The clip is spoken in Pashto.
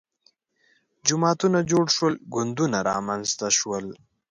جماعتونه جوړ شول ګوندونه رامنځته شول